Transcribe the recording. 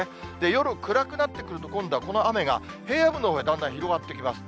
夜、暗くなってくると、今度はこの雨が平野部のほうへだんだん広がってきます。